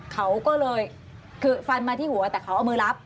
เขาก็เลยคือฟันมาที่หัวแต่เขาเอามือรับ